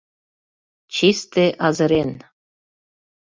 Чисте азырен!..